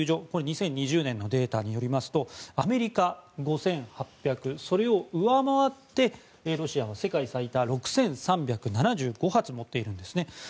これは２０２０年のデータによりますとアメリカ、５８００それを上回ってロシアが世界最多の６３７５発持っているんですね。